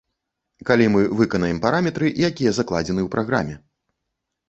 Калі мы выканаем параметры, якія закладзены ў праграме.